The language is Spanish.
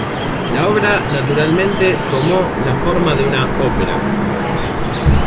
La obra naturalmente tomó la forma de una ópera.